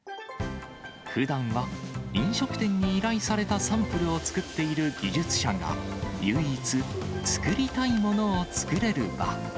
ふだんは飲食店に依頼されたサンプルを作っている技術者が、唯一、作りたいものを作れる場。